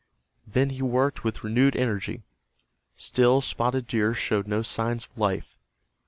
Then he worked with renewed energy. Still Spotted Deer showed no signs of life.